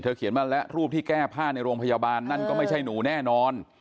เขียนว่าและรูปที่แก้ผ้าในโรงพยาบาลนั่นก็ไม่ใช่หนูแน่นอน